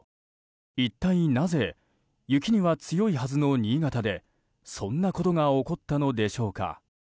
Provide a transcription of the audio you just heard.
一体なぜ雪には強いはずの新潟でそんなことが起こったのでしょうか。